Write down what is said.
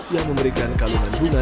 yang memberikan kalungan bunga